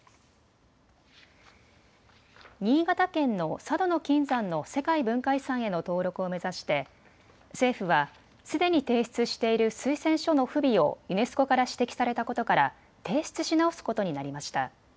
新潟県の佐渡島の金山の世界文化遺産への登録を目指して政府はすでに提出している推薦書の不備をユネスコから指摘されたことから提出し直すことになりました。